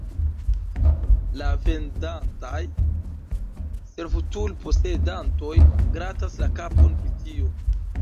La vendantaj servutul-posedantoj gratas la kapon pri tio.